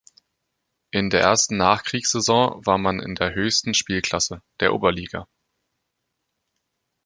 In der ersten Nachkriegssaison war man in der höchsten Spielklasse, der Oberliga.